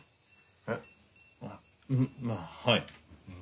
えっまあはい。